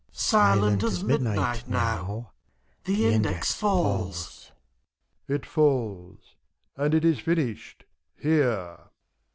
silent as midnight, now ! The index falls. MEPHISTOPHELES. It falls ; and it is finished, here